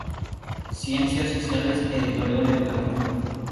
Ciencias Sociales, Editorial educativo